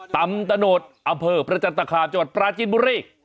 ตำบลโนธอำเภอประจันตคามจังหวัดปราจินบุรี